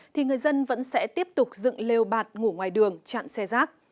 thì người dân vẫn sẽ tiếp tục dựng lêu bạt ngủ ngoài đường chặn xe rác